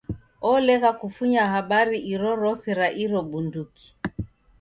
Olegha kufunya habari irorose ra iro bunduki.